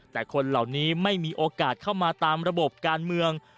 แต่คนเหล่านี้ไม่มีโอกาสเข้ามาตามระบบการเมือง